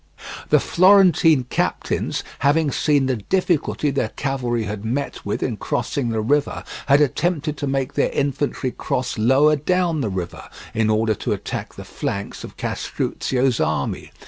The Florentine captains, having seen the difficulty their cavalry had met with in crossing the river, had attempted to make their infantry cross lower down the river, in order to attack the flanks of Castruccio's army.